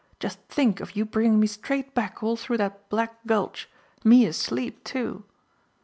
Just think of you bringing me straight back all through that black gulch me asleep too!